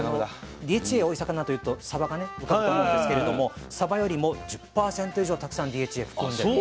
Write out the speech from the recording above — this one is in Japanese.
ＤＨＡ多い魚というとサバが浮かぶんですけれどもサバよりも１０％以上たくさんＤＨＡ含んでいる。